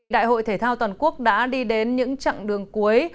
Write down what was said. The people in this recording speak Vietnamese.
đại hội thể thao toàn quốc đã đi đến những chặng đường cuối